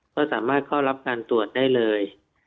ก็สามารถเข้ารับการตรวจได้เลย